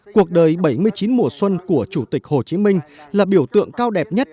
cuộc đời bảy mươi chín mùa xuân của chủ tịch hồ chí minh là biểu tượng cao đẹp nhất